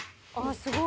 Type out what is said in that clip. すごーい！